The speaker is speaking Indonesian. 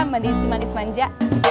mandiin si manis manja